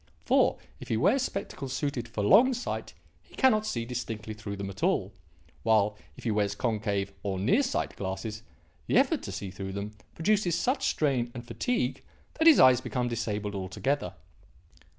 For, if he wears spectacles suited for long sight he cannot see distinctly through them at all; while, if he wears concave, or near sight, glasses, the effort to see through them produces such strain and fatigue that his eyes become disabled altogether.